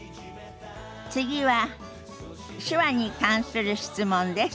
次は手話に関する質問です。